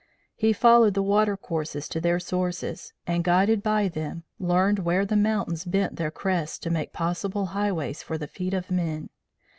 He followed the water courses to their sources, and guided by them, learned where the mountains bent their crests to make possible highways for the feet of men.